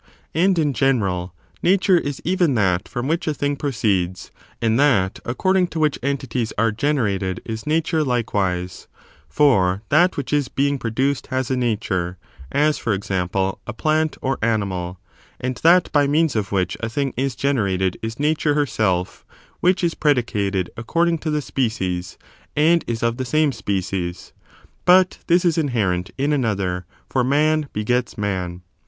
And, in general. Nature^ is even that from which a thing proceeds, and th^t according to which entities are generated is Nature likewise : for that which is being produced has a nature; as, for example, a plant or animal, and that by means of which a thing is generated is Nature herself which is predicated according to the species, and is of the same species ; but this is inherent in another, for man begets man.